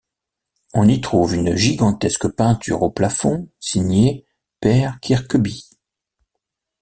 On y trouve une gigantesque peinture au plafond, signée Per Kirkeby.